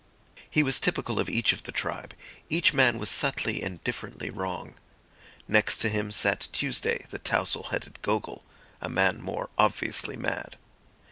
He was typical of each of the tribe; each man was subtly and differently wrong. Next to him sat Tuesday, the tousle headed Gogol, a man more obviously mad.